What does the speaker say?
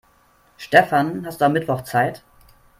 Stefan, hast du am Mittwoch Zeit?